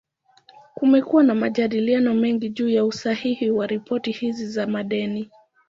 Kumekuwa na majadiliano mengi juu ya usahihi wa ripoti hizi za madeni.